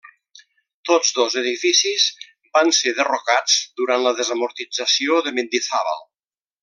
Tots dos edificis van ser derrocats durant la desamortització de Mendizábal.